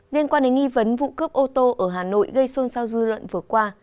liên quan đến nghi vấn vụ cướp ô tô ở hà nội gây xôn xao dư luận vừa qua